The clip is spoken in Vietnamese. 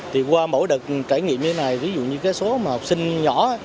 thì qua mỗi đợt trải nghiệm như thế này ví dụ như số học sinh nhỏ